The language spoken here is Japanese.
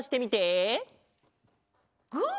グー！